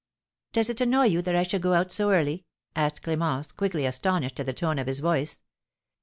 "Does it annoy you that I should go out so early?" asked Clémence, quickly, astonished at the tone of his voice.